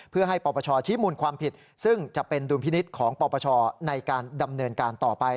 เพื่อให้ปปชชี้มูลความผิดซึ่งจะเป็นดุลพินิษฐ์ของปปชในการดำเนินการต่อไป